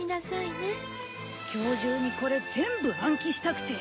今日中にこれ全部暗記したくて。